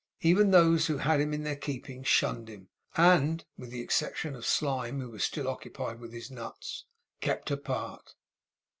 Even those who had him in their keeping shunned him, and (with the exception of Slyme, who was still occupied with his nuts) kept apart.